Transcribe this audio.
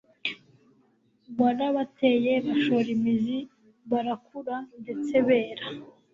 Warabateye bashora imizi barakura ndetse bera